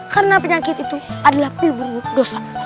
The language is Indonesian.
karena penyakit itu adalah pil burung dosa